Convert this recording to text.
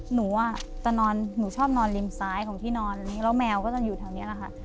หนูจะนอนหนูชอบนอนริมซ้ายของที่นอนแล้วแมวก็จะอยู่แถวนี้แหละค่ะ